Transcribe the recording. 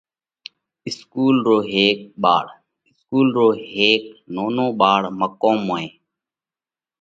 اِسڪُول رو هيڪ ٻاۯ: اِسڪُول رو هيڪ نونو ٻاۯ مقومون موئين